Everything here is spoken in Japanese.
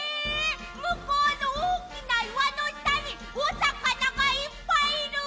むこうのおおきないわのしたにおさかながいっぱいいる！？